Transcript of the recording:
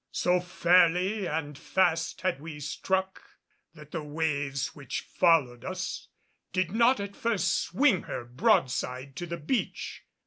So fairly and fast had we struck that the waves which followed us did not at first swing her broadside to the beach.